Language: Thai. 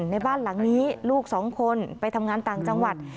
ในบ้านหลังนี้ลูกสองคนไปทำงานต่างจังหวัด